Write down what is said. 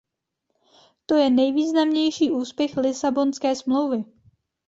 To je nejvýznamnější úspěch Lisabonské smlouvy.